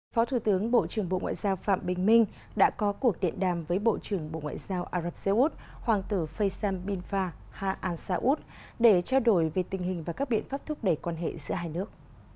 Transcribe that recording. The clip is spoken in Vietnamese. phó thủ tướng bộ trưởng bộ ngoại giao phạm bình minh đã có cuộc điện đàm với bộ trưởng bộ ngoại giao ả rập xê út hoàng tử faysam binfa ha ha an sa út để trao đổi về tình hình và các biện pháp thúc đẩy quan hệ giữa hai nước